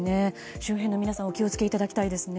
周辺の皆さんお気を付けいただきたいですね。